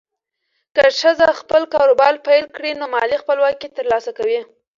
که ښځه خپل کاروبار پیل کړي، نو مالي خپلواکي ترلاسه کوي.